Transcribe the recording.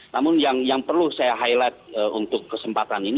namun yang perlu saya highlight untuk kesempatan ini